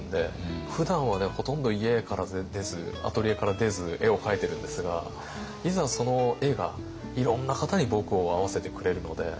ふだんはねほとんど家から出ずアトリエから出ず絵を描いてるんですがいざその絵がいろんな方に僕を会わせてくれるので。